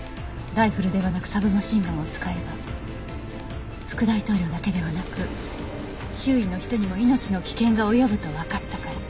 ライフルではなくサブマシンガンを使えば副大統領だけではなく周囲の人にも命の危険が及ぶとわかったから。